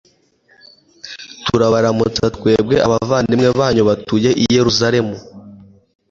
turabaramutsa twebwe abavandimwe banyu dutuye i yeruzalemu